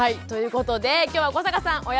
ということで今日は古坂さん